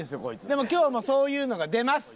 でも今日はそういうのが出ます。